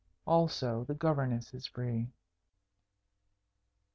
Also the Governess is free."